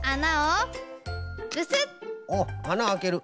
おっあなあける。